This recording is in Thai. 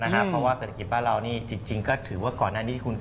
เพราะว่าเศรษฐกิจบ้านเรานี่จริงก็ถือว่าก่อนหน้านี้คุณ